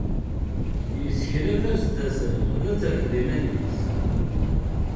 Yesseknaf-as-d tasa ad d-terfed iman-is.